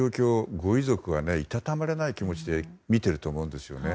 ご遺族はいたたまれない気持ちで見ていると思うんです。